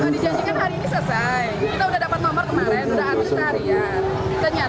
dijajikan hari ini selesai kita sudah dapat nomor kemarin sudah habis tarian